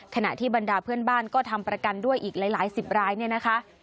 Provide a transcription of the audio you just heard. ขณะที่บรรดาเพื่อนบ้านก็ทำประกันด้วยอีกหลายสิบรายเนี่ยนะคะ